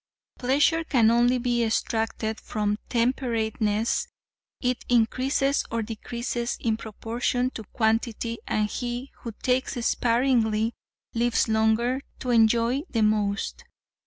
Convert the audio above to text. Pleasure can only be extracted from temperateness; it increases or decreases in proportion to quantity, and he who takes sparingly, lives longer to enjoy the most.